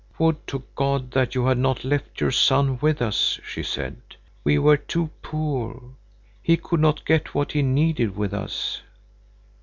"Would to God that you had not left your son with us!" she said. "We were too poor. He could not get what he needed with us."